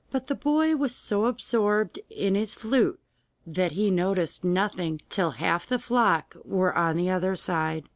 But the boy was so absorbed in his flute that he noticed nothing till half the flock were on the other side.